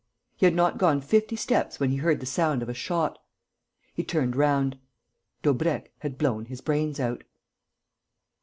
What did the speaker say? He had not gone fifty steps when he heard the sound of a shot. He turned round. Daubrecq had blown his brains out.